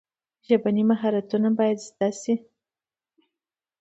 ژبني مهارتونه باید زده کړل سي.